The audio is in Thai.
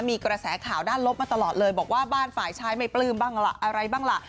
มีกระแสข่าวด้านลบมาตลอดเลยบอกว่าบ้านฝ่ายชายไม่ปลื้มบ้างล่ะอะไรบ้างล่ะ